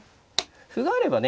歩があればね